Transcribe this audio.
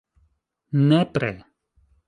Nepre.